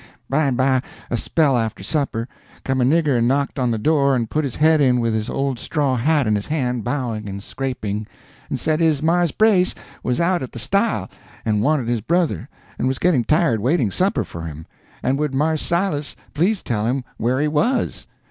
By and by, a spell after supper, come a nigger and knocked on the door and put his head in with his old straw hat in his hand bowing and scraping, and said his Marse Brace was out at the stile and wanted his brother, and was getting tired waiting supper for him, and would Marse Silas please tell him where he was?